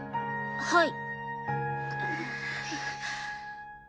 はい。